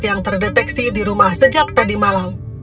yang terdeteksi di rumah sejak tadi malam